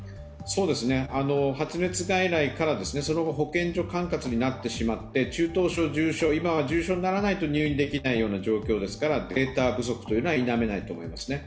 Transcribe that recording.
そうです、発熱外来から、その後、保健所管轄になってしまって中等症、重症、今は重症にならないと入院できないような状況ですから、データ不足は否めないと思います。